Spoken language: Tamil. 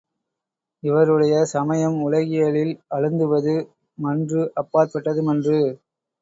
இவருடைய சமயம் உலகியலில் அழுந்துவது மன்று அப்பாற்பட்டதுமன்று.